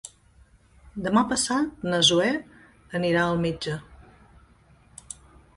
Demà passat na Zoè anirà al metge.